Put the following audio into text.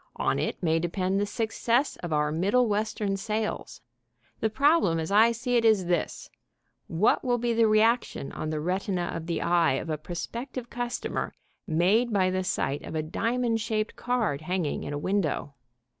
On it may depend the success of our Middle Western sales. The problem as I see it is this: what will be the reaction on the retina of the eye of a prospective customer made by the sight of a diamond shaped card hanging in a window?